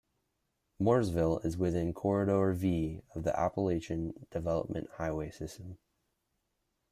Mooresville is within Corridor V of the Appalachian Development Highway System.